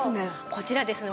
こちらですね